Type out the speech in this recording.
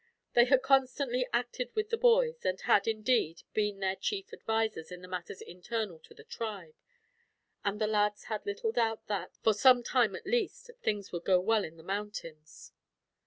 They had constantly acted with the boys; and had, indeed, been their chief advisers in the matters internal to the tribe; and the lads had little doubt that, for some time at least, things would go well in the mountains.